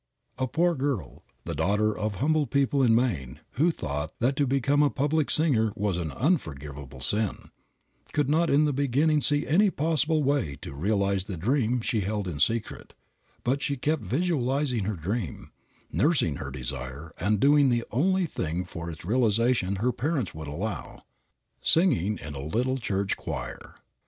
A poor girl, the daughter of humble people in Maine who thought that to become a public singer was an unforgivable sin, could not in the beginning see any possible way to realize the dreams she held in secret, but she kept visualizing her dream, nursing her desire and doing the only thing for its realization her parents would allow, singing in a little church choir.